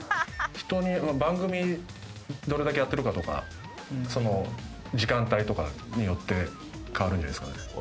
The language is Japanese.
人に番組どれだけやってるかとか時間帯とかによって変わるんじゃないですかね。